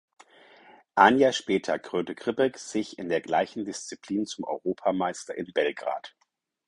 Ein Jahr später krönte Krbec sich in der gleichen Disziplin zum Europameister in Belgrad.